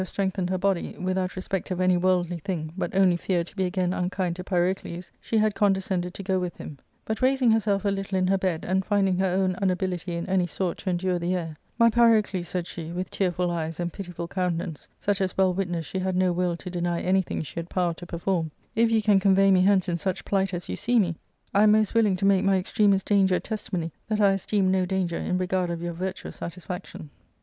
^Bock IIL 411 strengthened her body, without respect of any wbrldly thing, but only fear to be again unkind to Pyrocles, she had con descended to go with him. But, raising herself a little in her bed, and finding her own unability in any sort to endure the air, " My Pyrocles," said she, with tearful eyes and pitiful countenance such as well witnessed she had no will to deny anything she had power to perform, " if you can convey me hence in such plight as you see me, I am most willing to make my extremest danger a testimony that I esteem no danger in regard of your virtuous satisfaction."